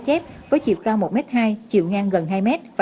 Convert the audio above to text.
trên kênh antv